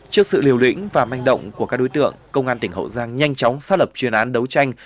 trước sự liều lĩnh và manh động của các đối tượng công an tỉnh hậu giang nhanh chóng xác lập chuyên án đấu tranh